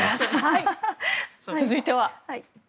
続いては。